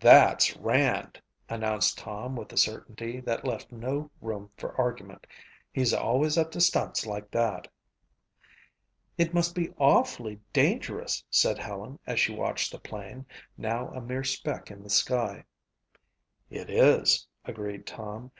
"That's Rand," announced Tom with a certainty that left no room for argument. "He's always up to stunts like that." "It must be awfully dangerous," said Helen as she watched the plane, now a mere speck in the sky. "It is," agreed Tom.